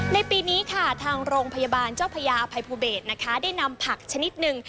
ในปีนี้ค่ะทางโรงพยาบาลเจ้าพญาอภัยภูเบศนะคะได้นำผักชนิดหนึ่ง